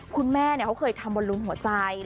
คุณแม่เขาเคยทำบนลุมหัวใจ